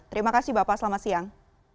terima kasih bapak selamat siang